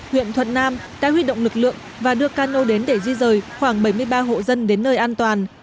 huyện thuận nam đã huy động lực lượng và đưa cano đến để di rời khoảng bảy mươi ba hộ dân đến nơi an toàn